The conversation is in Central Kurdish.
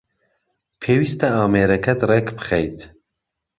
پێویستە ئامێرەکەت رێک بخەیت